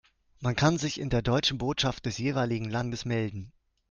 Man kann sich in der deutschen Botschaft des jeweiligen Landes melden.